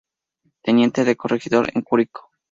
Teniente de corregidor en Curicó.